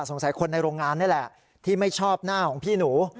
สงสัยคนในโรงงานนี่แหละที่ไม่ชอบหน้าของพี่หนู